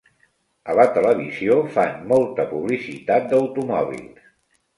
A la televisió fan molta publicitat d'automòbils.